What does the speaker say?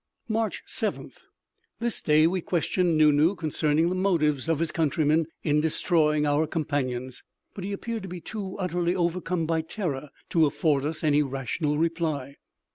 March 7th. This day we questioned Nu Nu concerning the motives of his countrymen in destroying our companions; but he appeared to be too utterly overcome by terror to afford us any rational reply.